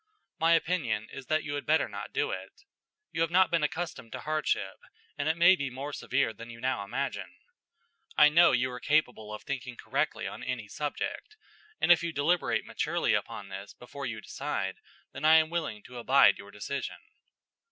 My opinion is that you had better not do it. You have not been accustomed to hardship, and it may be more severe than you now imagine. I know you are capable of thinking correctly on any subject, and if you deliberate maturely upon this before you decide, then I am willing to abide your decision."